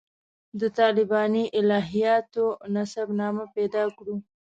د طالباني الهیاتو نسب نامه پیدا کړو.